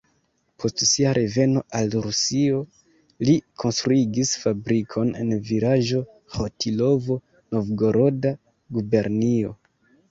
Post sia reveno al Rusio li konstruigis fabrikon en vilaĝo Ĥotilovo, Novgoroda gubernio.